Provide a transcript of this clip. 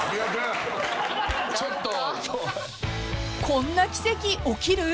［こんな奇跡起きる？］